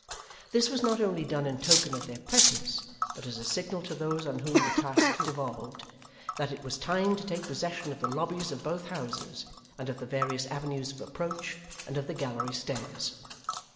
This was not only done in token of their presence, but as a signal to those on whom the task devolved, that it was time to take possession of the lobbies of both Houses, and of the various avenues of approach, and of the gallery stairs.